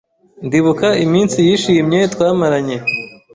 Ndibuka iminsi yishimye twamaranye.